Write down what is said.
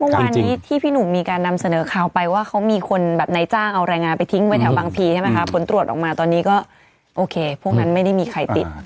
เมื่อวานนี้ที่พี่หนุ่มมีการนำเสนอข่าวไปว่าเขามีคนแบบนายจ้างเอาแรงงานไปทิ้งไว้แถวบางพีใช่ไหมคะผลตรวจออกมาตอนนี้ก็โอเคพวกนั้นไม่ได้มีใครติด